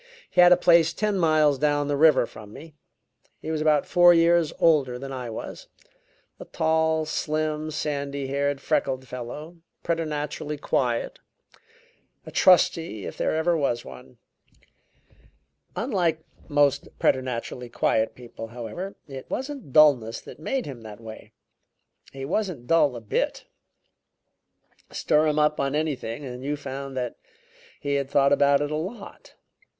He had a place ten miles down the river from me. He was about four years older than I was a tall, slim, sandy haired, freckled fellow, preternaturally quiet; a trusty, if there ever was one. Unlike most preternaturally quiet people, however, it wasn't dulness that made him that way; he wasn't dull a bit. Stir him up on anything and you found that he had thought about it a lot.